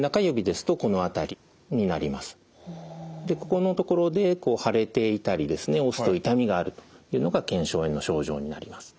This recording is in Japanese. ここのところで腫れていたり押すと痛みがあるというのが腱鞘炎の症状になります。